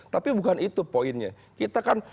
tapi bukan itu poinnya